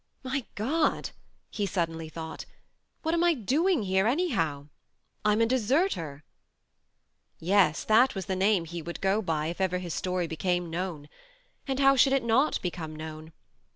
" My God !" he suddenly thought, " what am I doing here, anyhow ? I'm a deserter." Yes: that was the name he would go by if ever his story became known. And how should it not become known